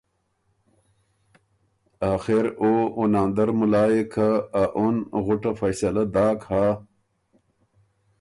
آخر او او ناندر ملا يې که اَ اُن غُټه فیصله داک هۀ